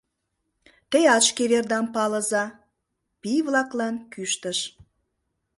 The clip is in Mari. — Теат шке вердам палыза, — пий-влаклан кӱштыш.